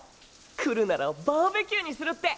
来るならバーベキューにするって。